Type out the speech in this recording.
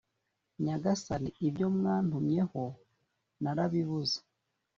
Nyagasani ibyo mwantumyeho narabibuze